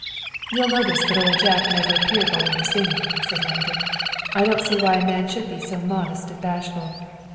"You'll notice that Old Jack never appeared while we were singing," said Langdon. "I don't see why a man should be so modest and bashful.